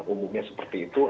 umumnya seperti itu